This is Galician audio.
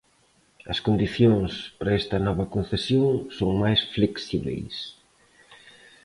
As condicións para esta nova concesión son máis flexíbeis.